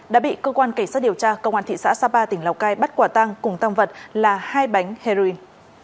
đã bị cơ quan cảnh sát điều tra công an thị xã sapa tỉnh lào cai bắt quả tăng cùng tăng vật là hai bánh heroin